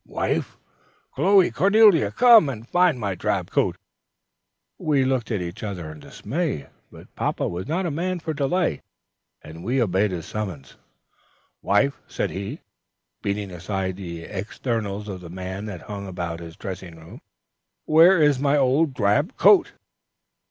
"Wife! Chloe! Cornelia! come and find my drab coat!" We looked at each other in dismay, but papa was not a man for delay, and we obeyed his summons. "Wife," said he, beating aside the externals of man that hung about his dressing room, "where is my old drab coat?"